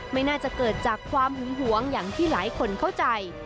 ไม่น่าจะเกิดจากความหึงหวงอย่างที่หลายคนเข้าใจ